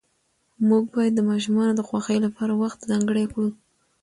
موږ باید د ماشومانو د خوښۍ لپاره وخت ځانګړی کړو